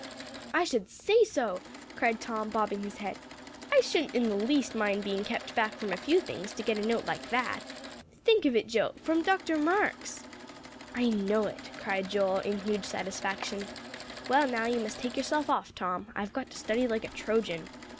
"I should say so!" cried Tom, bobbing his head. "I shouldn't in the least mind being kept back from a few things, to get a note like that. Think of it, Joe, from Dr. Marks!" "I know it," cried Joel, in huge satisfaction. "Well, now, you must take yourself off, Tom; I've got to study like a Trojan."